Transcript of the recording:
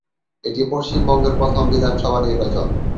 এটি পশ্চিমবঙ্গের প্রথম বিধানসভা নির্বাচন।